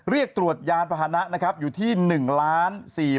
เรียกตรวจยานพาหนะนะครับอยู่ที่๑ล้าน